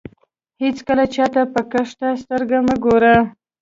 هېڅکله چاته په کښته سترګه مه ګوره.